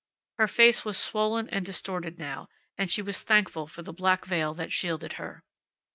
Her face was swollen and distorted now, and she was thankful for the black veil that shielded her.